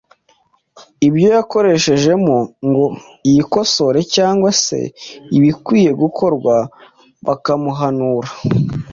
ibyo yakoshejemo ngo yikosore cyangwa se ibikwiye gukorwa bakamuhanura,